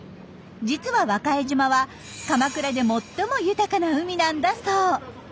実は和賀江島は鎌倉で最も豊かな海なんだそう。